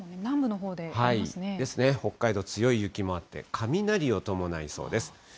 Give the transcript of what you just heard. ですね、北海道、強い雪もあって、雷を伴いそうです。